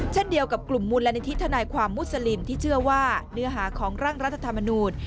เช่นเดียวกับกลุ่มมูลนิธิทนายความมุสลิมที่เชื่อว่าเนื้อหาของร่างรัฐธรรมนูญ